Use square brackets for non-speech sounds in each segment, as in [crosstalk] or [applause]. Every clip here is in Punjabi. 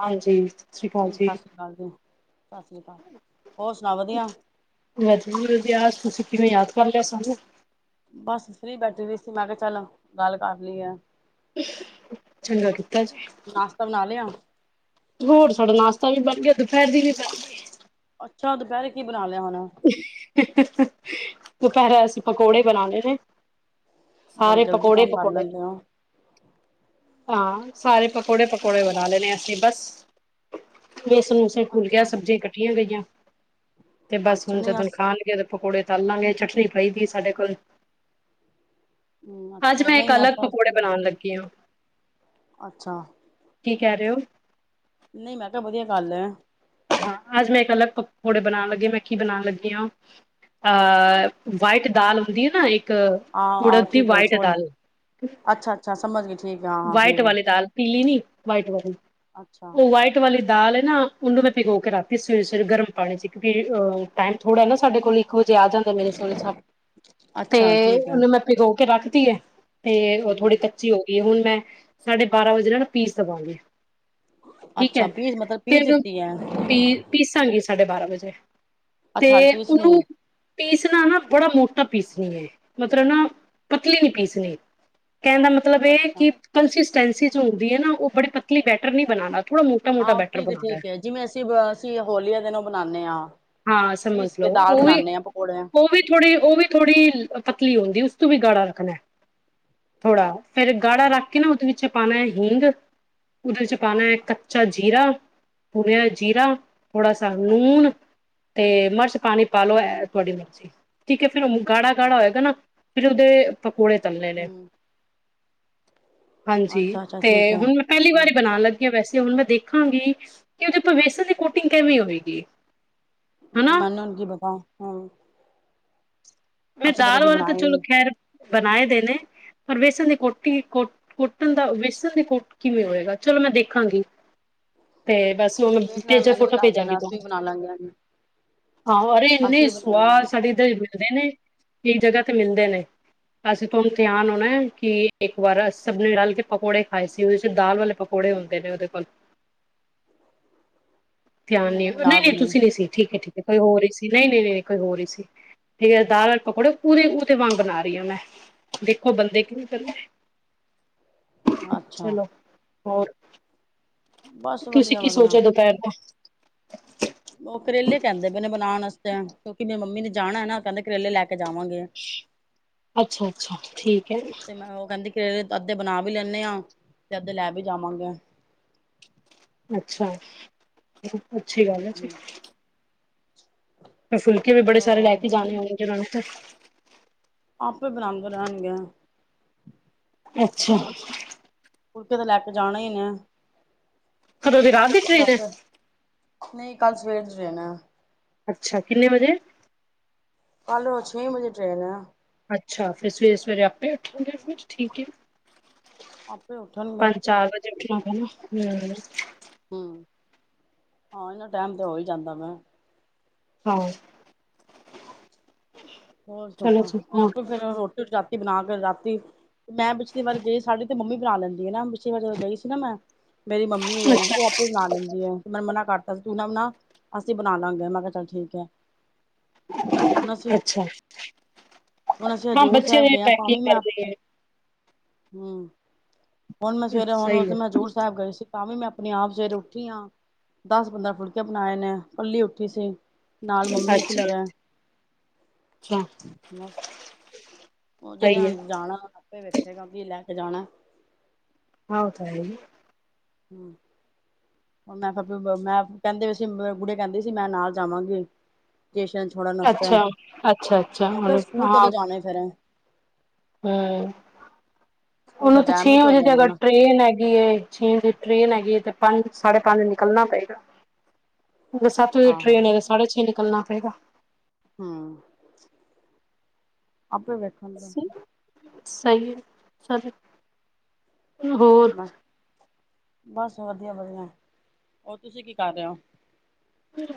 ਹਾਂਜੀ ਸਤਿ ਸ਼੍ਰੀ ਅਕਾਲ ਜੀ। ਹਾਂਜੀ, ਸਤਿ ਸ਼੍ਰੀ ਅਕਾਲ, ਹੋਰ ਸੁਣਾਔ ਵਧੀਆ। ਯੂ ਰਤਹਾਸ ਤੁਸੀਂ ਕਿਵੇਂ ਯਾਦ ਕਰ ਲਿਆ ਸਾਨੂੰ। ਬਸ ਫ੍ਰੀ ਬੈਠੀ ਦੀ ਸੀ, ਮੈਂ ਕਿਹਾ ਚੱਲੋ ਗੱਲ ਕਰ ਲਈ ਆ। ਚੰਗਾ ਕੀਤਾ ਜੇ ਨਾਸ਼ਤਾ ਬਣਾ ਲਿਆ, ਹੋਰ ਸਾਡਾ ਨਾਸ਼ਤਾ ਵੀ ਬਣ ਗਿਆ, ਦੁਪੈਹਰ ਦੀ ਵੀ ਫ ਅੱਛਾ ਦੁਪਹਿਰੇ ਕੀ ਬਣਾ ਲਿਆ ਹੋਣਾ। ਦੁਪਹਰੇ ਅਸੀਂ ਪਕੌੜੇ ਬਣਾਣੇ ਨੇ। ਬੜੀ ਸਾਰੇ ਜਲਦੀ ਪਕੌੜੇ ਕੰਮ ਕਰ ਪਕੌੜੇ ਲੈਂਦੇ ਹੋ, ਹਾਂ ਸਾਰੇ ਪਕੌੜੇ ਪਕੌੜੇ ਬਣਾ ਲੈਣੇ ਆਂ ਅਸੀਂ ਬਸ ਬੇਸਨ ਵੇਸਣ ਘੂਲ ਗਿਆ ਅੱਛਾ, ਸਬਜ਼ੀਆਂ ਕੱਟੀਆਂ ਗਈਆਂ, ਤੇ ਬਸ ਅੱਛਾ ਹੁਣ ਨਹੀਂ ਜਦੋਂ ਅਸ ਖਾਣ ਗੇ, ਪਕੌੜੇ ਤਲ ਲਾਂਗੇ ਚਟਨੀ ਪਈ ਦੀ ਸਾਡੇ ਕੋਲ। ਹੂੰ, ਆੱਜ ਅੱਛਾ ਮੈਂ ਏਕ ਨਹੀਂ ਅੱਲਗ ਐਸਾ ਪਕੌੜੇ ਬਣਾਣ ਲੱਗੀ ਆ। ਅੱਛਾ। ਕੀ ਕਹਿ ਰਹੇ ੳ। ਨਈ ਮੈਂ ਤਾ ਵਧੀਆ ਗਾੱਲ ਏ। ਹਾਂ ਆੱਜ ਮੈਂ ਏਕ ਅਲੱਗ ਪਕੌੜੇ ਬਣਾਣ ਲੱਗੀ ਆ, ਮੈਂ ਕੀ ਬਣਾਣ ਲੱਗੀ ਆ। ਅ ਵਾਈਟ ਦਾਲ ਹੁੰਦੀ ਏ ਨਾ ਏਕ ਕ ਆਹੋ, ਉੱਡਦ ਆਹੋ ਦੀ ਠੀਕ ਐ ਵਾਈਟ ਛੋਲ, ਦਾਲ, ਅੱਛਾ, ਅੱਛਾ ਸਮਝ ਗਈ ਠੀਕ ਐ, ਹਾਂ, ਹਾਂ ਵਾਈਟ ਠੀਕ ਐ। ਵਾਲੀ ਦਾਲ। ਪੀਲੀ ਨੀ ਵਾਈਟ ਵਾਲੀ, ਅੱਛਾ, ਉ ਵਾਈਟ ਵਾਲੀ ਦਾਲ ਨਾ ਐ ਨਾ, ਉਨੂੰ ਮੈਂ ਭੀਗੋ ਕੇ ਰਾਖਤੀ, ਸਵੇਰੇ ਸਵੇਰੇ ਗਰਮ ਪਾਣੀ ਚ ਕਿ ਉਂ ਟਾਈਮ ਥੋੜੇ ਨਾ ਸਾਡੇ ਕੋਲੀ। ਇੱਕ ਵਜੇ ਆ ਜਾਂਦੇ ਨੇ ਮੇਰੇ ਸੋਹਰੇ ਸਾਬ, ਅੱਛਾ ਤੇ ਠੀਕ ਐ। ਉਨੂੰ ਮੈਂ ਪਿਗੋ ਕੇ ਰਾਖ ਤੀ ਏ। ਤੇ ਉ ਹੂੰ, ਥੋੜ੍ਹੀ ਕੱਚੀ ਹੋ ਗਈ ਏ, ਹੁਣ ਮੈਂ ਸਾਢੇ ਬਾਰਾਂ ਵਜੇ ਨਾ ਪੀਸ ਦਵਾਂਗੀ। ਠੀਕ ਏ ਅੱਛਾ ਪੀਸ ਮਤਲਬ ਤੇ ਪੀਸ ਉਨੂੰ। ਦਿੱਤੀ ਐ, ਪੀ ਪੀਸਾਂਗੀ ਸਾਡੇ ਬਾਰਾਂਹ ਵਜੇ, ਤੇ ਅੱਛਾ ਪੀਸਣੀ ਉਨੂੰ। ਐ, ਪੀਸਣਾ ਨਾ, ਬੜਾ ਮੋਟਾ ਪੀਸਣੀ ਏ, ਮਤਲਬ ਨਾ ਪਤਲੀ ਨੀ ਪੀਸਣੀ। ਕੇਣ ਦਾ ਮਤਲਬ ਏ ਅੱਛਾ। ਕਿ ਕੰਸਿਸਟੈਂਸੀ ਜੋ ਹੁੰਦੀ ਏ ਨਾ, ਉਹ ਬੜੀ ਪਤਲੀ ਬੈਟਰ ਨਹੀਂ ਬਣਾਣਾ। ਥੜਾੋ ਮੋਟਾ ਮੋਟਾ ਆਹੋ ਬੈਟਰ ਠੀਕ ਹੈ ਬਣਾਣਾ ਐ। ਠੀਕ ਹੈ ਜਿਵੇਂ ਅਸੀਂ ਅਸੀਂ ਹੋਲੀ ਆ ਦਿਨ ੳ ਬਣਾਣੇ ਆ। ਹਾਂ ਸਮਝ ਲਓ ਉ ਵੀ ਉ ਵੀ। ਥੋੜੀ ਉ ਵੀ ਥੋੜੀ ਪਤਲੀ ਹੁੰਦੀ ਐ, ਉਸ ਤੋਂ ਵੀ ਗਾੜਾ ਰੱਖਨੇ ਥੋੜਾ। ਫਿਰ ਗਾੜਾ ਰਾਖ ਕੇ ਨਾ ਉਦੇ ਵਿੱਚ ਪਾਣਾ ਹਿੰਂਗ। ਉਦੇ ਵਿੱਚ ਪਾਣੇ ਕੱਚਾ ਜੀਰਾ, ਭੁੰਨਿਆ ਜੀਰਾ ਥੋੜਾ ਸਾ ਲੂਣ। ਤੇ ਮਰਚ ਪਾਣੀ ਪਾ ਲੋ ਏ ਤੁਹਾਡੀ ਮਰਜ਼ੀ। ਠੀਕ ਏ ਫਿਰ ਗਾੜਾ ਅੱਛਾ ਗਾੜਾ ਅੱਛਾ ਹੋਏਗਾ ਨਾ ਫਿਰ ਉਦੇ ਪਕੌੜੇ ਤਲਣੇ ਨੇ‌। ਹਮ ਹਾਂਜੀ ਅੱਛਾ ਅੱਛਾ ਤੇ ਠੀਕ ਹੈ ਹੁਣ ਮੈਂ ਪਹਿਲੀ ਵਾਰੀ ਬਣਾ। ਵੈਸੇ ਹੁਣ ਮੈਂ ਦੇਖਾਂਗੀ ਕਿ ਉਦੇ ਵੇਸਣ ਦੀ ਕੋਟਿੰਗ ਕੇਵੇਂ ਹੋਵੇਗੀ। ਮੈਨੂੰ ਕੀ ਪਤਾ ਹੂੰ। ਮੈਂ ਦਾਲ ਵਾਲੇ ਤੇ ਚਲੋ ਖੈਰ ਬਣਾਏ ਦੇਣੇ ਪਰ ਵੇਸਣ ਦੀ ਕੋਟੀ ਕੋ ਕੁੱਟਣ ਦਾ ਵੇਸਣ ਦੀ ਕੁੱਟ ਕਿਵੇਂ ਹੋਏਗਾ ਚਲੋ ਮੈਂ ਦੇਖਾਂਗੀ ਤੇ ਬਸ। ਦੇਖ ਲੈ [unintelligible] ਮੈਨੂੰ ਵੀ ਫੋਟੋ ਦੱਸ ਭੇਜਾਂਗੀ ਦੇਣਾ ਅਸੀਂ ਤੁਹਾਨੂੰ ਵੀ ਬਣਾ ਲਾਂਗੇ ਹਾਂ ਅਰੇ ਏਨੇ ਅਸੀਂ ਵੀ ਬਣਾ ਲਾਂਗੇ ਸਵਾਦ ਸਾਡੇ ਏਧਰ ਤੇ ਵਿਕਦੇ ਨੇ। ਏ ਜਗਾ ਤੇ ਮਿਲਦਾ ਐ। ਐਸੇ ਹੁਣ ਧਿਆਨ ਹੋਣੇ ਕਿ ਇੱਕ ਵਾਰ ਸਭ ਨੇ ਰਾਲ ਕੇ ਪਕੌੜੇ ਖਾਏ ਸੀ ਉਦੇ ਚ ਦਾਲ ਵਾਲੇ ਪ ਕੋੜੇ ਉਲਦੇ ਫਕ। [inaudible] ਧਿਆਨ ਨੀ ਨਹੀਂ ਨਹੀਂ ਤੁਸੀਂ ਨਹੀਂ ਸੀ ਠੀਕ ਏ ਠੀਕ। ਕੋਈ ਹੋਰ ਇ ਸੀ ਨਹੀਂ ਨਹੀਂ ਨਹੀਂ ਨਹੀਂ ਕੋਈ ਹੋਰ ਇ ਸੀ ਠੀਕ ਦਾਲ। ਪਕੋੜੇ ਪੂਰੇ ੳਦੇ ਵਾਂਗ ਬਣਾ ਰਈ ਆ ਮੈਂ ਦੇਖੋ ਬੰਦੇ ਕੀ ਕਰਦੇ ਅੱਛਾ ਚਲੋ ਹੋਰ। ਬਸ ਤੁਸੀਂ ਵਧੀਆ ਕੀ ਵਧੀਆ ਸੋਚਿਆ ਦੁਪਹਿਰ ਦਾ। ਓ ਕਰੇਲੇ ਕੇਣਦੇ ਪੇ ਨੇ ਬਣਾਣ ਵਾਸਤੇ ਕਿਉਂਕਿ ਮੇਰ ਮੰਮੀ ਨੇ ਜਾਣਾ ਏ ਨਾ ਕੇਂਦੇ ਕਰੇਲੇ ਲੈ ਕੇ ਜਾਵਾਂਗੇ। ਅੱਛਾ-ਅੱਛਾ ਠੀਕ ਏ। ਤੇ ਮੈਂ ਉਹ ਕਹਿੰਦੀ। ਫਿਰ ਅੱਧੇ ਬਣਾ ਵੀ ਲੈਣੇ ਆ ਤੇ ਅੱਧੇ ਲੈ ਵੀ ਜਾਵਾਂਗੇ। ਅੱਛਾ, ਅੱਛੀ ਗੱਲ ਏ ਜੀ। ਹਮ ਤੇ ਫੁਲਕੇ ਵੀ ਬੜੇ ਚਲੋ ਸਾਰੇ ਲੈ ਹੋਰ ਕੇ ਜਾਣੇ ਹੋਣਗੇ ਉਨਾਂ ਨੇ। ਆਪੇ ਬਨਾਂਦੇ ਰੇਣਗੇ। ਅੱਛਾ ਫੁਲਕੇ ਤੇ ਲੈ ਕੇ ਜਾਨੇ ਇ ਕਦੋਂ ਦੀ ਰਾਤ ਦੀ ਟ੍ਰੇਨ ਹੈ ਬਰਾਬਰ। ਨਹੀਂ ਕੱਲ ਸਵੇਰ ਜਾਣੇ। ਅੱਛਾ ਕਿੰਨੇ ਵਜੇ। ਕੱਲ ਛੇ ਵਜੇ ਟ੍ਰੇਨ ਏ। ਅੱਛਾ ਫਿਰ ਸਵੇਰੇ ਸਵੇਰੇ ਆਪੇ ਉਠਾਂਗੇ ਫਿਰ ਠੀਕ ਹੈ। ਆਪੇ ਉੱਠਣਗੇ ਪੰਜ ਚਾਰ ਵਜੇ ਉੱਠਣਾ ਪੈਣਾ ਹੂੰ ਆਣੇ ਦਾ ਟਾਈਮ ਤੇ ਹੋ ਹੀ ਜਾਂਦਾ ਮੈਂ ਆਹੋ। ਹੋਰ ਸੱਸ ਆਪੇ ਫਿਰ ਰੋਟੀ ਰਾਤੀ ਬਣਾ ਕੇ ਰਾਤੀ ਮੈਂ ਪਿਛਲੀ ਵਾਰੀ ਗਈ ਸਾਡੀੇ। ਮੰਮੀ ਬਣਾ ਲੈਂਦੀ ਹੈ ਨਾ ਪਛੇ ਵਾਰ ਜਦੋਂ ਗਈ ਸੀ ਨਾ ਮੈਂ ਮੇਰੀ ਮੰਮੀ ਹੈ ਉਹ ਆਪੇ ਬਣਾ ਲੈਂਦੀ ਹੈ। ਤੇ ਮੈਂ ਮਨਾ ਕਰਤਾ ਸੀ ਤੂੰ ਨਾ ਵੀ ਨਾ ਅਸੀਂ ਬਣਾ ਲਾਂਗੇ ਮੈਂ ਕਿਹਾ ਚੱਲ ਠੀਕ ਹੈ। ਹੁਣ ਅਸੀਂ ਅੱਛਾ। ਹੁਣ ਅਸੀਂ ਹਜੂਰ ਸਾਹਿਬ ਗਿਆ ਤਾਂ ਵੀ ਮੈਂ ਹੂੰ ਹੁਣ ਮੈਂ ਸਵੇਰੇ ਹੁਣ ਉਸਦੇ ਹਜੂਰ ਸਾਹਿਬ ਗਏ ਸੀ। ਤਾਂ ਵੀ ਮੈਂ ਆਪਣੇ ਆਪ ਸਵੇਰੇ ਉੱਠੀ ਹਾਂ ਦਸ ਪੰਦਰਾਂ ਫੁਲਕੇ ਬਣਾਏ ਨੇ ਕੱਲੀ ਉੱਠੀ ਸੀ। ਨਾਲ ਮੰਮੀ ਸੀ ਮੇਰੇ। ਮਸ ਉਹ ਜਿਨੇ ਜਾਣਾ ਆਪੇ ਵੇਖੇ ਕੀ ਲੈ ਕੇ ਜਾਣਾ। ਹਾਂ ਓ ਤੇ ਹੈ। ਹੂੰ। ਹੁਣ ਮਮ ਮੈਂ ਕਿਹਾ ਮੈਂ ਕਹਿੰਦੇ ਪ‌ਏ ਸੀ ਗੁਡੀਆ ਕਹਿੰਦੀ ਸੀ ਮੈਂ ਨਾਲ ਜਾਵਾਂਗੀ। ਸਟੇਸ਼ਨ ਛੋੜਨ ਆਸਤੇ, ਅੱਛਾ ਅੱਛਾ ਅੱਛਾ ਮੈਂ ਕਿਹਾ ਉਹਨੂੰ ਸਕੂਲ ਹਾਂ ਕਦੋਂ ਜਾਣਾ ਫੇਰ। ਹੂੰ, ਸਕੂਲ ਦਾ ਓਨੂੰ ਤੇ ਟਾਈਮ ਛੇ ਵੀ ਹੋ ਵਜੇ ਦੀ ਜਾਣਾ ਅਗਰ ਨਾ ਟ੍ਰੇਨ ਗੀ ਏ ਛੇ ਵਜੇ ਟ੍ਰੇਨ ਹੈਗੀ ਏ ਤੇ ਪੰਜ-ਸਾਢੇ ਪੰਜ ਨਿਕਲਣਾ ਪਏਗਾ। ਅ ਸੱਤ ਵਜੇ ਆਹੋ ਟ੍ਰੇਨ ਏ ਤਾਂ ਸਾਢੇ ਛੇ ਨਿਕਲਣਾ ਪਏਗਾ। ਹੂੰ, ਆਪੇ ਬੈ ਸ‌ਈ, ਸ‌ਈ ਏ ਚ ਬਸ ਵਧੀਆ-ਵਧੀਆ, ਹੋਰ ਤੁਸੀਂ ਕੀ ਕਰ ਰਹੇ ਓ?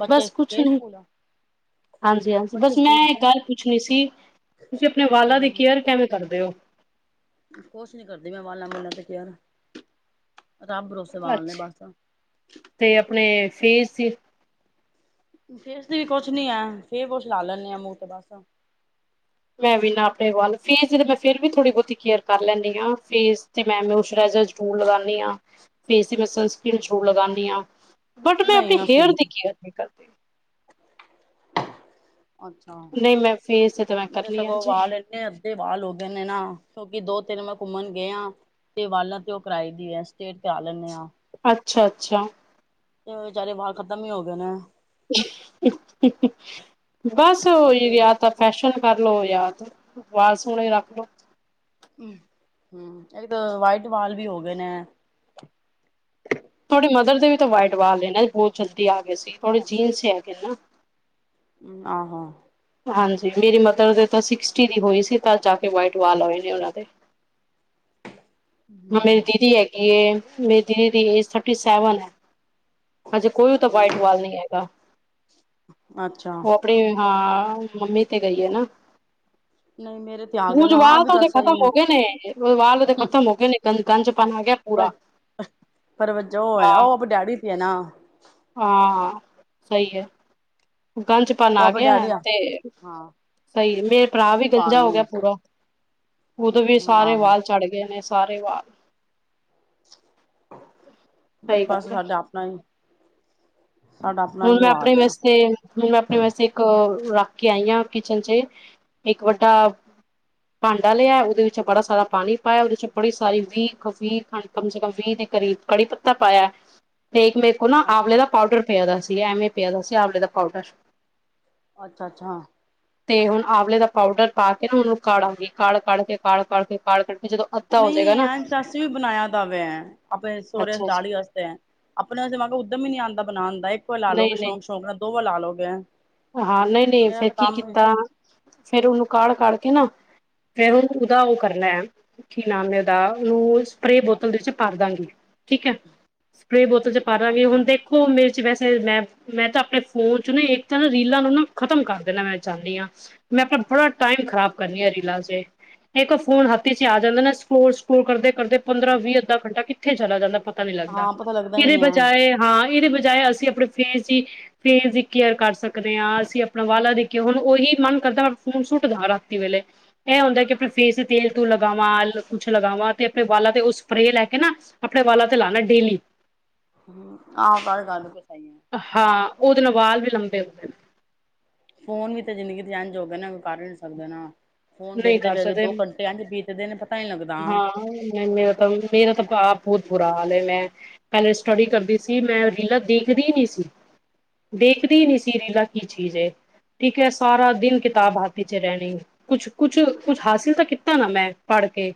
ਬਸ ਕੁਛ ਨੀ, ਹਾਂਜੀ-ਹਾਂਜੀ ਬੱਚੇ ਬਸ ਮੈਂ ਸਕੂਲ ਇਕ ਗਏ ਗੱਲ ਪੁੱਛਣੀ ਸੀ। ਤੁਸੀਂ ਆਪਣੇ ਵਾਲਾਂ ਦੀ ਹੂੰ ਕੇਅਰ ਕੇਵੇ ਕਰਦੇ ਓ? ਕੁਛ ਨੀ ਕਰਦੀ ਮੈਂ ਵਾਲਾ ਵੂਲਾ ਤੇ ਕੇਅਰ, ਰੱਬ ਭਰੋਸੇ ਵਾਲ ਨੇ ਅੱਛਾ ਬਸ। ਤੇ ਆਪਣੇ ਫੇਸ ਤ ਫੇਸ ਤੇ ਵੀ ਕੁਛ ਨੀ ਐ ਫੇਸ ਵਾਸ਼ ਲਾ ਲੈਨੀ ਆ ਮੂੰਹ ਤੇ ਬਸ। ਮੈਂ ਵੀ ਨਾ ਆਪਣੇ ਵਾਲ, ਫੇਸ ਤੇ ਤਾਂ ਮੈਂ ਫੇਰ ਵੀ ਥੋੜ੍ਹੀ ਬਹੁਤੀ ਕੇਅਰ ਕਰ ਲੈਨੀ ਆ ਫੇਸ ਤੇ ਮੈਂ ਮੋਆਸਰਾਈਜ਼ਰ ਜ਼ਰੂਰ ਲਗਾਨੀ ਆ ਫੇਸ ਤੇ ਮੈਂ ਸਨਸ੍ਰੀਨ ਜ਼ਰੂਰ ਲਗਾਨੀ ਆ। ਨ‌ਈ ਅਸੀਂ ਨੀ, ਅੱਛਾ। ਨ‌ਈ ਮੈਂ ਫੇਸ ਤਾਂ ਮੈਂ ਮੇਰੇ ਕਰਨੀ ਆ ਸਗੋਂ ਜੀ ਵਾਲ ਐਨੇ ਅੱਧੇ ਵਾਲ ਹੋ ਗੇ ਨੇ ਨਾ ਕਿਉਂਕਿ ਦੋ-ਤਿੰਨ ਮੈਂ ਘੁੰਮਣ ਗੇ ਆ। ਤੇ ਵਾਲਾਂ ਤੇ ਓ ਕਰਾਏ ਦੀ ਐ ਸਟੇਟ ਕਰਾ ਲੈਣੇ ਆ। ਅੱਛਾ-ਅੱਛਾ। ਤੇ ਵਚਾਰੇ ਵਾਲ ਖ਼ਤਮ ਈ ਹੋ ਗਏ ਨੇ। ਬਸ ਓਹੀ ਅੱਧੇ ਵ ਦਾ ਫੈਸ਼ਨ ਕਰ ਲਓ ਯਾ ਵਾਲ ਸੋਣੇ ਰੱਖ ਲੋ। ਹੂੰ, ਇੱਕ ਤਾਂ ਵਾਈਟ ਵਾਲ ਵੀ ਹੋ ਗਏ ਨੇ। ਤੁਹਾਡੀ ਮਦਰ ਦੇ ਵੀ ਤਾਂ ਵਾਈਟ ਵਾਲ ਨੇ ਨਾ ਬਹੁਤ ਜਲਦੀ ਆ ਗਏ ਸੀ, ਥੋੜੇ ਜੀਨਸ ਚੀ ਹੈਗੇ ਨਾ। ਆਹੋ। ਹਾਂਜੀ ਮੇਰੀ ਮਦਰ ਦੇ ਤਾਂ ਸੀਕਸਟੀ ਦੀ ਹੋਈ ਸੀ ਤਦ ਜਾ ਕੇ ਵਾਈਟ ਵਾਲ ਆਏ ਨੇ ਓਨਾਂ ਦੇ। ਹਾਂ ਮੇਰੀ ਹੂੰ ਦੀਦੀ ਹੈਗੀ ਏ, ਮੇਰੀ ਦੀਦੀ ਦੀ ਏਜ ਥਰਟੀ ਸੈਵਨ ਆ। ਹਜੇ ਕੋਈ ਓਦਾ ਵਾਈਟ ਵਾਲ ਨੀ ਹੈਗਾ, ਅੱਛਾ ਓ ਆਪ ਣੇ ਹਾਂ ਮੰਮੀ ਤੇ ਗਈ ਆ ਨਾ। ਨਹੀਂ ਮੇਰੇ ਤੇ ਆ ਗਏ ਓਝ ਨੇ ਹਾਂ ਵਾਲ ਵੀ ਤਾਂ ਗੱਲ ਓਦੇ ਖ਼ਤਮ ਸਹੀ ਹੋ ਗਏ ਨੇ ਵਾਲ ਓਦੇ ਖ਼ਤਮ ਹੋ ਗਏ ਨੇ। ਗੰ ਗੰਜਪਨ ਆ ਗਿਆ ਪੂਰਾ। ਪਰ ਵਜਾ ਓ ਨਾ ਹਾਂ ਓ ਆਪ ਡੈਡੀ ਤੇ ਆ ਨਾ। ਹਾਂ ਸਹੀ ਐ, ਗੰਜਪਨ ਆ ਗਿਆ ਤੇ ਸਹੀ ਏ, ਮੇਰਾ ਭਰਾ ਵੀ ਗੰਜਾ ਹੋ ਗਿਆ ਪੂਰਾ। ਓਦੇ ਵੀ ਸਾਰੇ ਵਾਲ ਚੜ ਗਏ ਨੇ ਸਾਰੇ ਵਾਲ। ਸਹੀ ਗੱਲ ਬਸ ਹੈ ਸਾਡਾ ਆਪਣਾ ਈ ਹੁਣ ਮੈਂ ਆਪਣੇ ਵਸਤੇ ਹੁਣ ਮੈਂ ਆਪਣੇ ਵਾਸਤੇ ਇੱਕ ਰੱਖ ਕੇ ਆਈ ਆ ਕਿਚਨ ਚੇ, ਇੱਕ ਵੱਡਾ ਭਾਂਡਾ ਲਿਆ ਓਦੇ ਵਿੱਚ ਬੜਾ ਸਾਰਾ ਪਾਣੀ ਪਾਇਆ, ਓਦੇ ਵਿੱਚ ਬੜੀ ਸਾਰੀ ਵੀਹ, ਵੀਹ ਕਮ ਸੇ ਕਮ ਵੀਹ ਦੇ ਕਰੀਬ ਕੜੀ-ਪੱਤਾ ਪਾਇਆ ਤੇ ਇੱਕ ਮੇ ਓ ਨਾ ਅੱਛਾ ਆਵਲੇ ਦਾ ਪਾਊਡਰ ਪਿਆ ਦਾ ਸੀ ਐਵੇਂ ਪਿਆ ਦਾ ਸੀ ਆਵਲੇ ਦਾ ਪਾਊਡਰ। ਅੱਛਾ-ਅੱਛਾ। ਤੇ ਹੁਣ ਆਵਲੇ ਦਾ ਪਾਊਡਰ ਪਾ ਕੇ ਨਾ ਓਨੂੰ ਕਾੜਾਂਗੀ ਕਾੜ-ਕਾੜ ਕੇ ਕਾੜ-ਕਾੜ ਕੇ ਕਾੜ-ਕਾੜ ਕੇ ਜਦੋਂ ਅੱਧਾ ਹੋ ਨ‌ਈ ਜਾਏਗਾ ਨਾ ਐ ਤਾਂ ਅਸੀ ਵੀ ਬਣਾਇਆ ਦਾ ਵੇ ਆ, ਆਪਣੇ ਸੋਹੁਰੇ ਅੱਛਾ ਅੱਛਾ ਦਾੜੀ ਵਾਸਤੇ। ਅਪਨੇ ਵਸਤੇ ਮੰਨ ਲੋ ਉੱਦਮ ਈ ਨੀ ਆਂਦਾ ਬਨਾਨ ਦਾ। ਇੱਕ ਵਾਰ ਲਾ ਨਹੀਂ ਲੋਗੇ ਨਹੀਂ ਸ਼ੌਂਕ- ਸ਼ੌਂਕ ਨਾਲ, ਦੋ ਵਾਰ ਲਾ ਲੋਗੇ ਹਾਂ ਨਈ-ਨਈ ਮੇਰਾ ਫੇਰ ਤਾਂ ਕੀ ਕੰਮ ਕੀਤਾ, ਫੇਰ ੳਨੂੰ ਕਾੜ ਕਾੜ ਕੇ ਨਾ ਫੇਰ ੳਨੂੰ ਉਦਾ ੳ ਕਰਨਾ ਏ ਕੀ ਨਾਮ ਏ ੳਦਾ ੳਨੂੰ ਸਪੇ੍ ਬੋਤਲ ਦੇ ਵਿੱਚ ਭਰ ਦਾਂਗੀ। ਠੀਕ ਐ। ਸਪੇ੍ ਬੋਤਲ ਚ ਪਾਦਾਂਗੇ ਹੁਨ ਅੱਛਾ ਦੇਖ ਦੇਖੋ ਮੇਰੇ ਚ ਵੈਸੇ ਮੈਂ-ਮੈਂ ਤਾਂ ਅਪਨੇ ਫੋਨ ਚ ਨਾ ਇੱਕ ਰੀਲਾਂ ਨੂੰ ਨਾ ਖ਼ਤਮ ਕਰ ਦੇਨਾ ਮੈਂ ਚਾਂਦੀ ਆ। ਮੈਂ ਅਪਨਾ ਬੜਾ ਟਾਈਮ ਖਰਾਬ ਕਰਨੀ ਆ ਰੀਲਾਂ ਚੇ। ਇੱਕ ਆਰੀ ਫੋਨ ਹੱਥ ਇਚ ਆ ਜਾਂਦਾ ਨਾ ਸਕਰੋਲ-ਸਕਰੋਲ ਕਰਦੇ-ਕਰਦੇ, ਪੰਦਰਾਂ- ਵੀਹ, ਅੱਧਾ ਘੰਟਾ ਕਿੱਥੇ ਚਲਾ ਜਾਂਦਾ ਪਤਾ ਪਤਾ ਨੀ ਲੱਗਦਾ। ਹਾਂ ਪਤਾ ਲੱਗਦਾ ਹੀ ਏਦੇ ਨਹੀਂ ਆ ਬਜਾਏ ਹਾਂ ਏਦੇ ਬਜਾਏ ਅਸੀ ਸੀ ਅਪਨੇ ਫੇਸ ਦੀ, ਫੇਸ ਦੀ ਕੇਅਰ ਕਰ ਸਕ ਸਕਦੇ ਆਂ ਅਸੀ ਅਪਨਾ ਵਾਲਾਂ ਦੀ ਕੇਅਰ ੳਹੀ ਮਨ ਕਰਦਾ ਫੋਨ ਸੁੱਟ ਦਾ ਰਾਤੀ ਵੇਲੇ। ਏਹ ਹੁੰਦਾ ਕਿ ਅਪਨੇ ਫੇਸ ਤੇ ਤੇਲ ਤੂਲ ਲਗਾਵਾਂ, ਕੁਛ ਲਗਾਵਾਂ ਤੇ ਅਪਨੇ ਵਾਲਾਂ ਤੇ ੳਹ ਸਪੇ੍ ਲੈ ਕੇ ਨਾ ਅਪਨੇ ਵਾਲਾਂ ਤੇ ਲਾਨਾ, ਡੇਲੀ। ਹੂੰ ਆਹ ਗੱਲ, ਗੱਲ ਤੇ ਸਹੀ ਐ। ਹਾਂ ੳਦੇ ਨਾਲ ਵਾਲ ਵੀ ਲੰਬੇ ਹੁੰਦੇ ਨੇ। ਫੋਨ ਵੀ ਤੇ ਜ਼ਿੰਦਗੀ ਦੇ ਏੰਝ ਹੋ ਗਏ ਨਾ, ਕੁਝ ਕਰ ਨੀ ਸਕਦੇ ਨਾ। ਫੋਨ ਨੇ ਨਹੀਂ ਕਰ ਦੇਖਦੇ-ਦੇਖਦੇ ਸਕਦੇ ਦੋ ਘੰਟੇ ਏੰਝ ਬੀਤਦੇ ਨੇ ਪਤਾ ਨੀ ਲੱਗਦਾ। ਨਈ ਮੇਰਾ ਮੇਰਾ ਤਾਂ ਆਪ ਬੋਤ ਬੁਰਾ ਹਾਲ ਏ, ਮੈਂ ਪੈਲੇ ਸਟੱਡੀ ਕਰਦੀ ਸੀ, ਮੈਂ ਰੀਲਾਂ ਦੇਖਦੀ ਨੀ ਸੀ। ਦੇਖਦੀ ਨੀ ਸੀ ਰੀਲਾਂ ਕੀ ਚੀਜ਼ ਏ? ਠੀਕ ਏ ਸਾਰਾ ਦਿਨ ਕਿਤਾਬ ਹੱਥ ਚ ਰਹਨੀ ਕੁਛ ਕੁਛ, ਕੁਛ ਹਾਸਿਲ ਤਾਂ ਕੀਤਾ ਨਾ ਮੈਂ ਪੜ ਕੇ।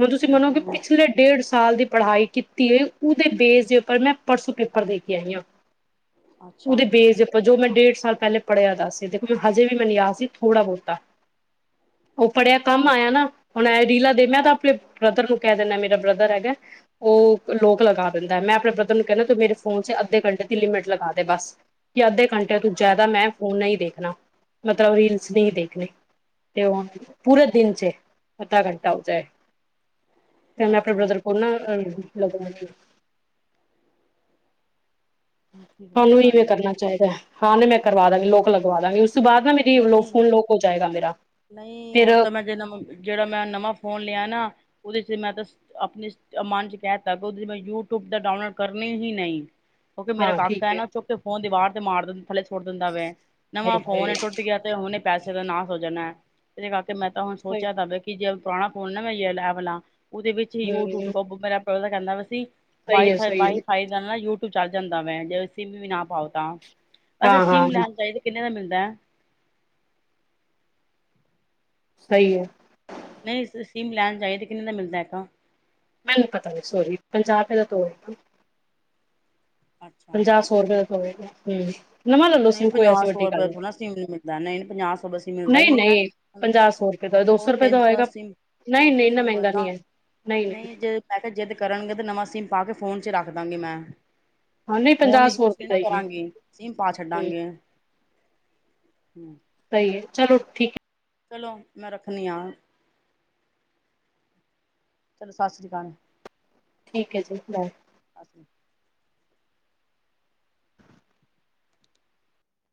ਹੁਨ ਤੁਸੀ ਮਨੋਗੇ ਹੂੰ ਪਿਛਲੇ ਡੇਢ ਸਾਲ ਦੀ ਪਢਾ਼ਈ ਕੀਤੀ ਏ ਉਦੇ ਬੇਸ ਦੇ ਉੱਪਰ ਮੈਂ ਪਰਸੋਂ ਪੇਪਰ ਦੇ ਕੇ ਆਈ ਆ। [inaudible] ਉਦੇ ਬੇਸ ਦੇ ਉਪਰ ਜੋ ਮੈਂ ਡੇਢ ਸਾਲ ਪਹਲੇ ਪੜੇਆ ਦਾ ਸੀ, ਦੇਖੋ ਹਜੇ ਵੀ ਮੈਨੂੰ ਯਾਦ ਸੀ ਥੋੜਾ ਬੋਤਾ। ੳਹ ਪੜੇਆ ਕੰਮ ਅੱਛਾ ਆਏਆ ਨਾ, ਹੁਨ ਐ ਰੀਲਾ ਦੇ, ਮੈਂ ਤਾਂ ਅਪਨੇ ਬ੍ਰਦਰ ਨੂੰ ਕਹ ਦੇਨਾ ਮੇਰਾ ਬ੍ਰਦਰ ਹੈਗਾ ਉਹ ਲੋਕ ਲਗਾ ਦੇੰਦਾ। ਮੈਂ ਅਪਨੇ ਬ੍ਰਦਰ ਨੂੰ ਕੈਣਾ ਤੂੰ ਮੇਰੇ ਫੋਨ ਚ ਅੱਧੇ ਘੰਟੇ ਦੀ ਲਿਮਿਟ ਲਗਾ ਦੇ ਬ ਕਿ ਅੱਧੇ ਘੰਟੇ ਤੋਂ ਅੱਛਾ। ਜਾਦਾ ਮੈਂ ਫੋਨ ਨਈ ਦੇਖਨਾ ਮਤਲਬ ਰੀਲਸ ਨਈ ਦੇਖਨੀ। ਤੇ ੳਹ ਪੂਰੇ ਦਿਨ ਚੇ ਅੱਧਾ ਘੰਟਾ ਹੋਜੇ, ਤੇ ਮੈਂ ਅਪਣੇ ਅੱਛਾ, ਬ੍ਰਦਰ ਕੋਲ ਨਾ ਲਗਵਾ ਠੀਕ ਵਧੀਆ ਤਾਨੂੰ ਵੀ ਈਵੇਂ ਗੱਲ ਐ। ਕਰਨਾ ਚਾਈਦਾ ਏ। ਹਾਂ, ਨਈ ਮੈਂ ਕਰਵਾ ਦਾਂਗੀ, ਲੋਕ ਲਗਵਾ ਦਾਂਗੀ, ੳਸ ਤੋਂ ਬਾਦ ਮੇਰੀ ਲੋ ਨਹੀਂ ਫੋਨ ਲੋਕ ਹੋ ਜਾਏਗਾ ਮੇਰਾ, ਫੇਰ ਨਵਾ ਜੇੜਾ ਮੈਂ ਨਵਾ ਫੋਨ ਲੇਆ ਨਾ ੳਦੇ ਚ ਮੈਂ ਤੇ ਅਪਨੇ ਮਨ ਚ ਕੈਤਾ ਕਿ ੳਦੇ ਚ ਮੈਂ ਯੂਟਿਊਬ ਤਾਂ ਡਾਊਨਲੋਡ ਕਰਨੀ ਹੀ ਨਈ। ਕਿਉਂਕਿ ਮੇਰਾ ਹਾਂ ਕਾਕਾ ਠੀਕ ਏ ਹੈ ਨਾ, ਚੁੱਕ ਕੇ ਫੋਨ ਦੀਵਾਰ ਤੇ ਮਾਰ ਦੇਂਦ, ਥੱਲੇ ਸੁਟ ਦੇੰਦਾ ਵੇ। ਨਵਾਂ ਫੋਨ ਹਾਏ ਏ, ਟੁਟ ਐ ਤੇ ਹੁਨੇ ਪੈਸੇ ਦਾ ਨਾਸ ਹੋ ਜਾਨਾ ਏ। ਏਰੇ ਕਰਕੇ ਮੈਂ ਤਾਂ ਹੁਨ ਹਾਏ ਸੋਚੇਆ ਦਾ ਵੇ ਕਿ ਜੇੜ ਪੁਰਾਨਾ ਫੋਨ ਨਾ ਮੈਂ ਯ ਏ ਵਾਲਾ ੳਦੇ ਵਿੱਚ ਹਮ ਯੂਟਊਬ ਮੇਰਾ ਬ੍ਦਰ ਕੇਂਦਾ ਵਾ ਸੀ ਵਾਈ ਸਹੀ ਹੈ ਸਹੀ ਫਾਈ-ਵਾਈ ਹੈ ਫਾਈ ਦੇ ਨਾਲ ਯੂਟਿਊਬ ਚੱਲ ਜਾਂਦਾ ਵੇ, ਜੇ ਸਿੰਮ ਵੀ ਨਾ ਪਾਓ ਤਾਂ। ਅੱਛਾ ਹਾਂ ਹਾਂ ਸਿਮ ਲੈਨ ਜਾਈਏ ਤਾਂ ਕਿੰਨੇ ਦਾ ਮਿਲਦਾ? ਸਹੀ ਏ। ਨਈ ਸਿਮ ਲੈਨ ਜਾਈਏ ਤਾਂ ਕਿੰਨੇ ਦਾ ਮਿਲਦਾ ਏਕ? ਮੈਨੂੰ ਪਤਾ ਨੀ ਸੋਰੀ, ਪਂਜਾ ਰੁਪਏ ਦਾ ਤੇ ਹੋਏਗਾ। ਅੱਛਾ ਪੰਜਾ, ਸੌ ਰੁਪਏ ਦਾ ਹੋਏਗਾ। ਹੂੰ। ਨਈ ਪੰਜਾਅ ਸੌ ਰੁਪਇਆ ਥੋੜਾ ਸਿਮ ਨ ਮਿਲਦਾ ਨਈ ਪੰਜਾਅ ਸੌ ਬਸੀ ਮਿਲਦਾ ਈ ਨਹੀਂ ਨਹੀਂ ਨੀ ਐ। ਨਹੀਂ ਆ ਪੰਜਾਹ ਸੌ ਰੁਪਏ ਦਾ ਦੋ ਰੁਪਏ ਦਾ ਤਿੰਨ ਸੌ ਹੋਏਗਾ ਸੀ, ਦੋ ਨਹੀਂ ਨਹੀਂ ਸੌ ਇੰਨਾ ਸੀ ਮਹਿੰਗਾ ਮਜਾ ਨਹੀਂ ਹੈ ਨਹੀਂ ਨਹੀਂ ਨਈ ਨਹੀਂ ਜੇ ਮੈਂ ਕੇਆ ਜੇਦ ਕਰਨਗੇ ਤਾਂ ਨਵਾਂ ਸੀਮ ਪਾ ਕੇ ਫ਼ੋਨ ਚ ਰੱਖ ਦਾਂਗੀ ਮੈਂ। ਹਾਂ ਨਹੀਂ ਫੋਨ ਪੰਜਾਹ ਸੌ ਯੂਸ ਨੀ ਰੁਪਏ ਦਾ ਨਾ ਹੀ ਹੈ ਕਰਾਂਗੀ ਸੀਮ ਪਾ ਹਮ ਛੱਡਾਂਗੇ, ਹੂੰ। ਸਈ ਏ ਚਲੋ ਠੀਕ ਏ, ਚਲੋ ਮੈਂ ਰੱਖਨੀ ਆਂ। ਚਲੋ ਸਸਰੀ ਕਾਲ। ਠੀਕ ਐ ਜੀ ਬਾਏ। ਅਸੀ